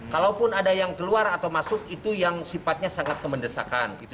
kalaupun ada yang keluar atau masuk itu yang sifatnya sangat kemendesakan gitu